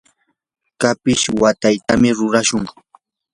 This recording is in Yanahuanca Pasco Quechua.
kapish watyatam rurashun.